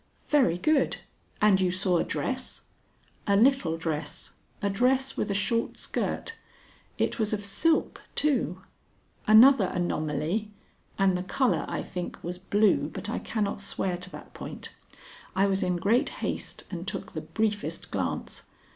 "Very good. And you saw a dress?" "A little dress; a dress with a short skirt. It was of silk too; another anomaly and the color, I think, was blue, but I cannot swear to that point. I was in great haste and took the briefest glance.